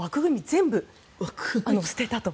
全部捨てたと。